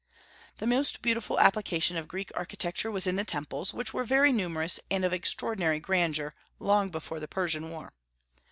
The most beautiful application of Greek architecture was in the temples, which were very numerous and of extraordinary grandeur, long before the Persian War.